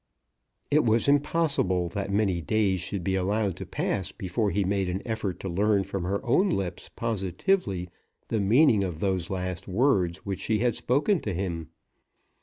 It was impossible that many days should be allowed to pass before he made an effort to learn from her own lips, positively, the meaning of those last words which she had spoken to him.